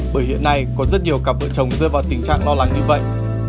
bởi hiện nay có rất nhiều cặp vợ chồng rơi vào tình trạng lo lắng như vậy